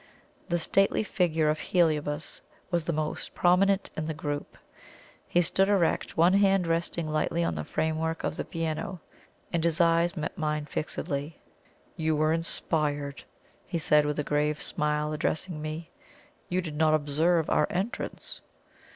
The stately figure of Heliobas was the most prominent in the group; he stood erect, one hand resting lightly on the framework of the piano, and his eyes met mine fixedly. "You were inspired," he said with a grave smile, addressing me; "you did not observe our entrance."